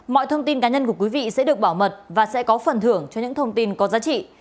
mọi thông tin cá nhân của quý vị sẽ được bảo mật và sẽ có phần thưởng cho những thông tin có giá trị